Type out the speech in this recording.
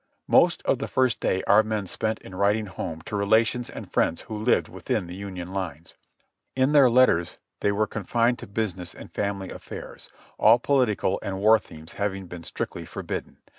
Most of the first day our men spent in writing home to relations and friends who lived within the Union lines. In their letters they were confined to business and family affairs, all political and war themes having been strictly forbidden.